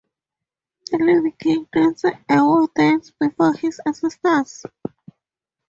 The living king danced a war-dance before his ancestors.